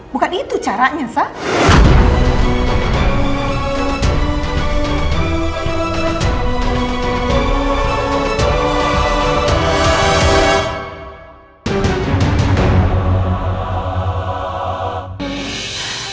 bukan itu caranya san